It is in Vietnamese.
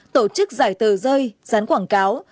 tổ chức giải tờ rơi gián quảng cáo